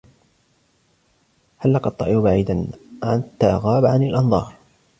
حلق الطائر بعيداً حتى غاب عن الأنظار.